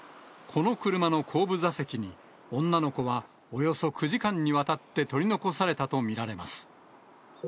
この車の後部座席に、女の子はおよそ９時間にわたって取り残されたと見られます。